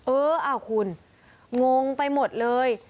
เออคุณงงไปหมดเลย